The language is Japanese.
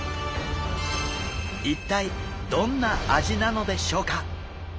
一体どんな味なのでしょうか？